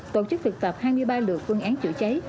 tổ chức thực tập hai mươi ba lượt phương án chữa cháy